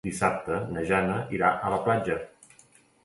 Dissabte na Jana irà a la platja.